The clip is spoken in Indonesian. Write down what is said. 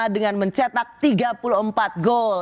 dengan mencetak tiga puluh empat gol